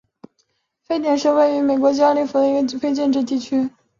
沸点是位于美国加利福尼亚州洛杉矶县的一个非建制地区。